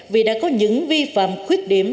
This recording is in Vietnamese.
vì đã có những vi phạm khuyết điểm